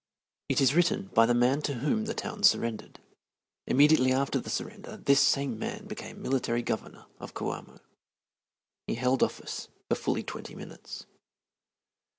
It is written by the man to whom the town surrendered. Immediately after the surrender this same man became Military Governor of Coamo. He held office for fully twenty minutes.